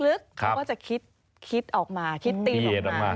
เราก็จะคิดจบคิดออกมาคิดตีมออกมา